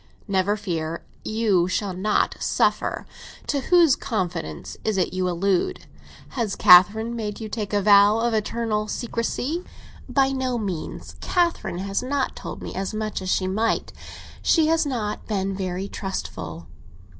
"Never fear; you shall not suffer. To whose confidence is it you allude? Has Catherine made you take a vow of eternal secrecy?" "By no means. Catherine has not told me as much as she might. She has not been very trustful."